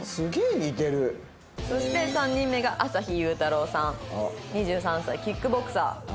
そして３人目が麻火佑太郎さん２３歳キックボクサー。